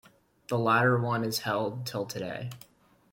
The latter one is held till today.